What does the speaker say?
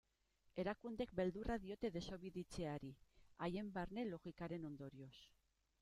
Erakundeek beldurra diote desobeditzeari, haien barne logikaren ondorioz.